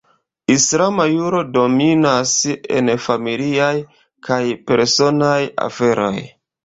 Islama juro dominas en familiaj kaj personaj aferoj.